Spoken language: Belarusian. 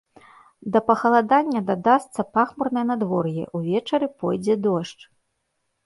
Да пахаладання дадасца пахмурнае надвор'е, увечары пойдзе дождж.